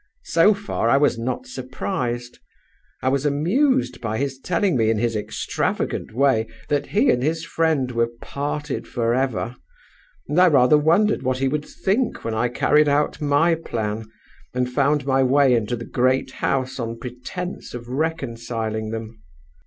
So far, I was not surprised. I was amused by his telling me in his extravagant way that he and his friend were parted forever; and I rather wondered what he would think when I carried out my plan, and found my way into the great house on pretense of reconciling them.